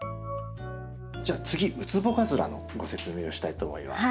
じゃあ次ウツボカズラのご説明をしたいと思います。